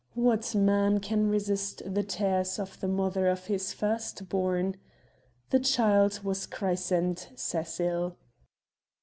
What man can resist the tears of the mother of his first born? The child was christened Cecil.